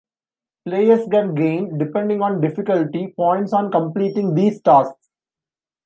Players can gain, depending on difficulty, points on completing these tasks.